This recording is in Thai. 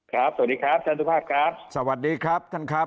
สวัสดีครับท่านสุภาพครับสวัสดีครับท่านครับ